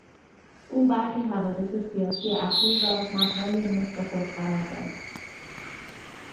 او برخی حوادث سیاسی اخیر را مبنای نطق خود قرار داد.